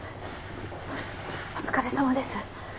お疲れさまです